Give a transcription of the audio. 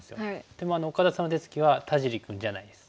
でも岡田さんの手つきは田尻君じゃないんです。